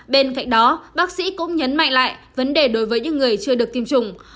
bên cạnh đó bác sĩ cũng nhấn mạnh lại vấn đề đối với những người chưa được tiêm chủng